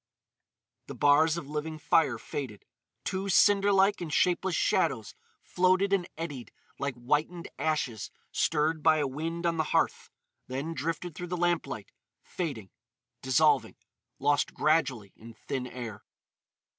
The bars of living fire faded. Two cinder like and shapeless shadows floated and eddied like whitened ashes stirred by a wind on the hearth; then drifted through the lamp light, fading, dissolving, lost gradually in thin air.